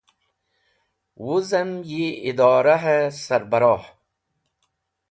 Wuzem yi Idorahe sarbroh